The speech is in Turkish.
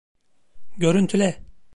Görüntüle!